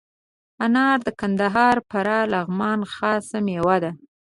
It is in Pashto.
انار د کندهار، فراه، لغمان خاص میوه ده.